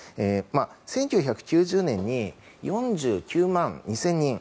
１９９０年に４９万２０００人。